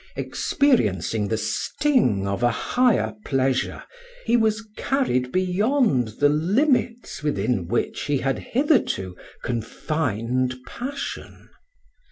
Experiencing the sting of a higher pleasure, he was carried beyond the limits within which he had hitherto confined passion.